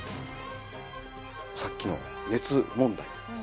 さっきの熱問題です。